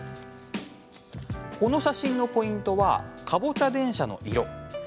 この写真のポイントはかぼちゃ電車の色。